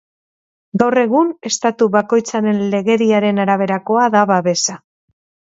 Gaur egun, estatu bakoitzaren legediaren araberakoa da babesa.